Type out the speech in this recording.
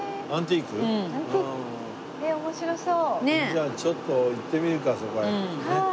じゃあちょっと行ってみるかそこへ。